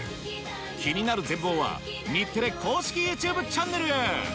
気になる全貌は日テレ公式ＹｏｕＴｕｂｅチャンネルへ！